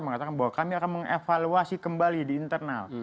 mengatakan bahwa kami akan mengevaluasi kembali di internal